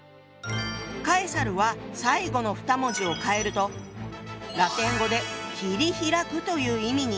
カエサルは最後の２文字を変えるとラテン語で「切り開く」という意味に。